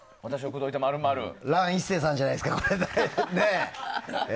乱一世さんじゃないですか？